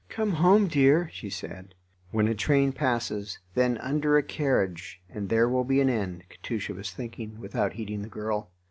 "Come home, dear," she said. "When a train passes then under a carriage, and there will be an end," Katusha was thinking, without heeding the girl.